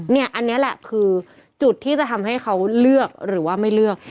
เนี่ยอันนี้แหละคือจุดที่จะทำให้เขาเลือกหรือว่าไม่เลือก